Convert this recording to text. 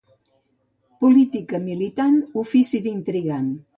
Política militant ofici d'intrigant.